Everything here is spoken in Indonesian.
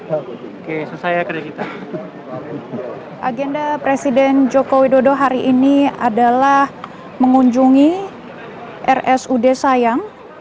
oke selesai agenda presiden joko widodo hari ini adalah mengunjungi rsud sayang